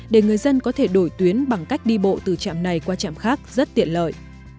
để người dân có thể đổi tuyến bằng cách đi bộ từ trạm này qua trạm khác rất tiện lợi